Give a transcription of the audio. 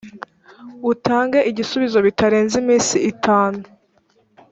utange igisubizo bitarenze iminsi itanu